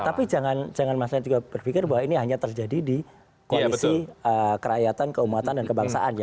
tapi jangan masalah juga berpikir bahwa ini hanya terjadi di koalisi kerakyatan keumatan dan kebangsaan ya